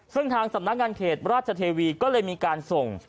ซึ่งทางสำนักงานเขตราชเทวีก็เลยมีการส่ง